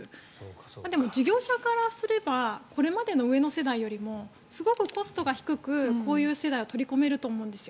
でも、事業者からすればこれまでの上の世代よりもすごくコストが低くこういう世代を取り込めると思うんです。